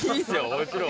もちろん。